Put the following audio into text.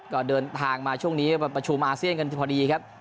ก็เดินทางมาช่วงนี้มาประชุมอาเซียนกันพอดีครับ